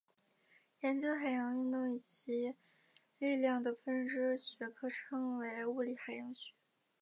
研究海洋运动以及其力量的分支学科称为物理海洋学。